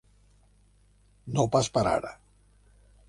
No pas per ara!